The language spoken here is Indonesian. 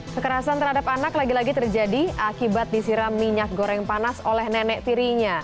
kekerasan terhadap anak lagi lagi terjadi akibat disiram minyak goreng panas oleh nenek tirinya